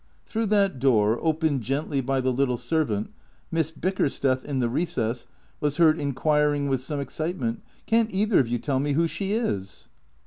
Through that door, opened gently by the little servant. Miss Bickersteth, in the recess, was heard inquiring with some excite ment, " Can't either of you tell me who she is